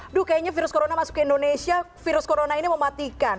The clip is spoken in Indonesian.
aduh kayaknya virus corona masuk ke indonesia virus corona ini mematikan